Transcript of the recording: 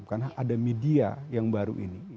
karena ada media yang baru ini